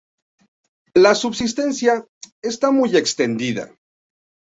La subsistencia está muy extendida.